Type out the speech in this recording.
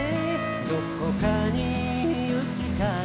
「どこかに行きたい」